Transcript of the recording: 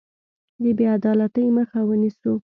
د بې عدالتۍ مخه ونیسو.